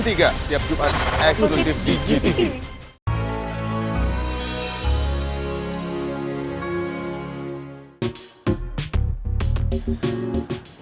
tiap jumat eksklusif di gtv